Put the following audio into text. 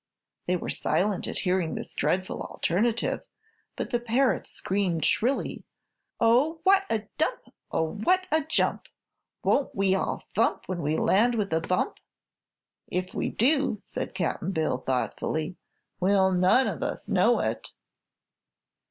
They were silent at hearing this dreadful alternative, but the parrot screamed shrilly: "Oh, what a dump! Oh, what a jump! Won't we all thump when we land with a bump?" "If we do," said Cap'n Bill, thoughtfully, "we'll none of us know it."